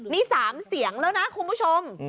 นี่๓เสียงแล้วนะคุณผู้ชม